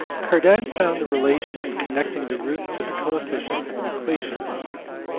Cardan found the relations connecting the roots with the coefficients of an equation.